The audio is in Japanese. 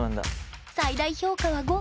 最大評価は「５」。